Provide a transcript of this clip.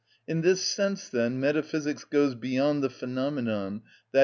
In this sense, then, metaphysics goes beyond the phenomenon, _i.